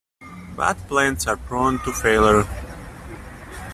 Bad plans are prone to failure.